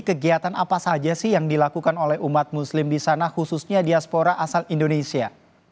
kegiatan apa saja sih yang dilakukan oleh umat muslim di sana khususnya diaspora asal indonesia